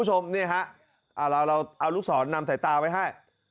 เราเอาลูกศรนำใส่ตาไว้ให้